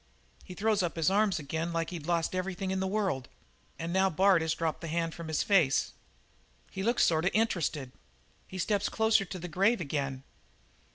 He throws up his arms again like he'd lost everything in the world. "And now Bard has dropped the hand from his face. He looks sort of interested. He steps closer to the grave again.